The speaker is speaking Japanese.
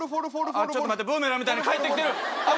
あぁちょっと待ってブーメランみたいに返ってきてる。